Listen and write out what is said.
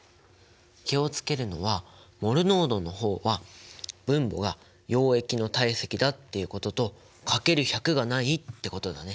気を付けるのはモル濃度の方は分母が溶液の体積だっていうことと掛ける１００がないってことだね。